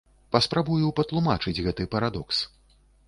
Паспрабую патлумачыць гэты парадокс.